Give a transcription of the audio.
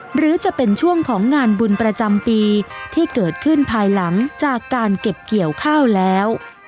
หรือจะเป็นช่วงของงานบุญประจำปีที่เกิดขึ้นภายหลังจากการเก็บเกี่ยวข้าวแล้ว